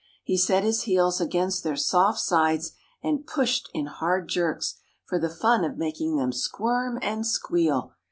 He set his heels against their soft sides and pushed in hard jerks, for the fun of making them squirm and squeal.